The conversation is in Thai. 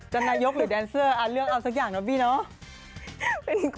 นายกหรือแดนเซอร์เลือกเอาสักอย่างนะพี่เนาะ